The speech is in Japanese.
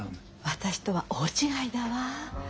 私とは大違いだわ。